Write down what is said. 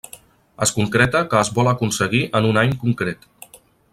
Es concreta que es vol aconseguir en un any concret.